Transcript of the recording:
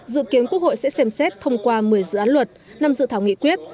dự kiến quốc hội sẽ xem xét thông qua một mươi dự án luật năm dự thảo nghị quyết